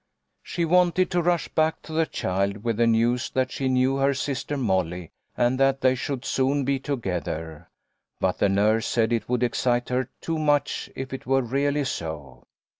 " She wanted to rush back to the child with the news that she knew her sister Molly and that they should soon be together, but the nurse said it would excite her too much if it were really so.